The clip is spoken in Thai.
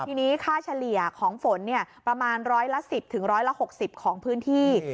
ทีนี้ค่าเฉลี่ยของฝนประมาณ๑๐๐ละ๑๐ถึง๑๐๐ละ๖๐ของพื้นที่